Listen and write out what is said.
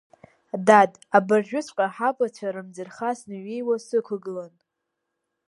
Дад, абыржәыҵәҟьа ҳабацәа рымӡырха снеи-ҩеиуа сықугылан!